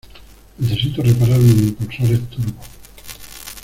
Necesito reparar mis impulsores turbo.